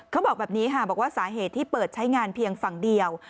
เขาบอกแบบนี้ค่ะบอกว่าสาเหตุที่เปิดใช้งานเพียงฝั่งเดียว